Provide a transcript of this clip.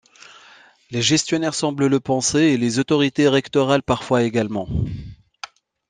Les gestionnaires semblent le penser, et les autorités rectorales parfois également.